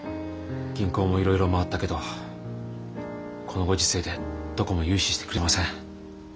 銀行もいろいろ回ったけどこのご時世でどこも融資してくれません。